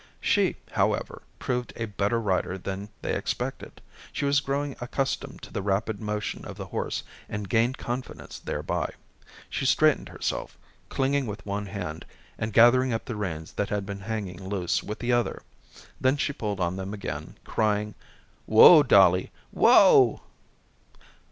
She, however, proved a better rider than they expected. She was growing accustomed to the rapid motion of the horse, and gained confidence thereby. She straightened herself, clinging with one hand and gathering up the reins that had been hanging loose, with the other. Then she pulled on them again, crying: "Whoa, Dollie, whoa."